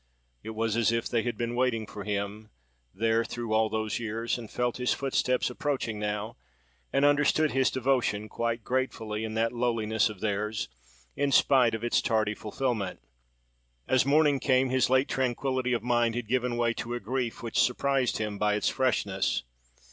It was as if they had been waiting for him there through all those years, and felt his footsteps approaching now, and understood his devotion, quite gratefully, in that lowliness of theirs, in spite of its tardy fulfilment. As morning came, his late tranquillity of mind had given way to a grief which surprised him by its freshness.